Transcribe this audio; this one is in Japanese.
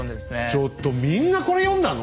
ちょっとみんなこれ読んだの？